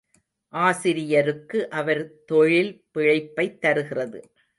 ஆசிரியருக்கு அவர் தொழில் பிழைப்பைத் தருகிறது.